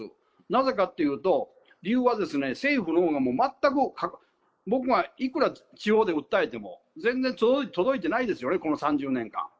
なぜかっていうと、理由は政府のほうがもう全く、僕がいくら地方で訴えても、全然届いてないですよね、この３０年間。